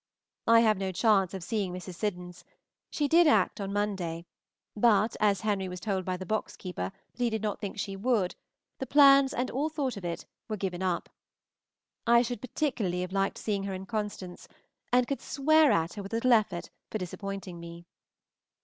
I have no chance of seeing Mrs. Siddons; she did act on Monday, but as Henry was told by the box keeper that he did not think she would, the plans, and all thought of it, were given up. I should particularly have liked seeing her in "Constance," and could swear at her with little effort for disappointing me.